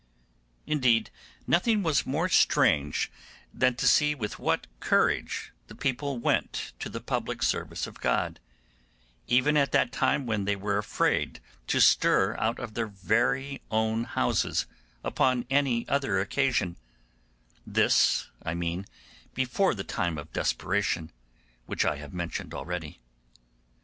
Indeed nothing was more strange than to see with what courage the people went to the public service of God, even at that time when they were afraid to stir out of their own houses upon any other occasion; this, I mean, before the time of desperation, which I have mentioned already.